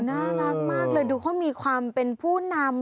น่ารักมากเลยดูเขามีความเป็นผู้นำ